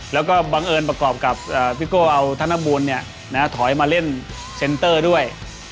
แล้วก็บังเอิญประกอบกับพี่โก้เอาธนบูลถอยมาเล่นเซ็นเตอร์ด้วย